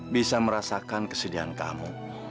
bisa merasakan kesedihan kamu